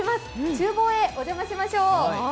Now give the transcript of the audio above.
ちゅう房へお邪魔しましょう。